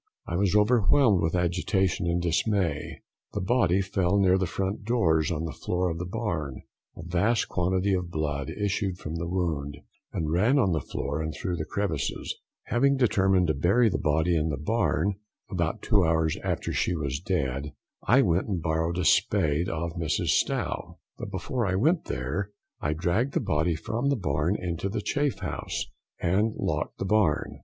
I was overwhelmed with agitation and dismay: the body fell near the front doors on the floor of the barn. A vast quantity of blood issued from the wound, and ran on to the floor and through the crevices. Having determined to bury the body in the barn (about two hours after she was dead. I went and borrowed a spade of Mrs Stow, but before I went there I dragged the body from the barn into the chaff house, and locked the barn.